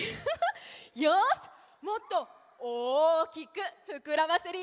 よしもっとおおきくふくらませるよ！